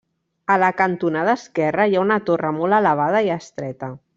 A la cantonada esquerra hi ha una torre molt elevada i estreta.